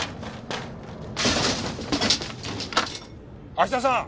芦田さん！